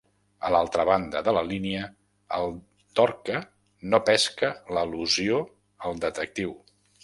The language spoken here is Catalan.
A l'altra banda de la línia, el Dorca no pesca l'al·lusió al detectiu.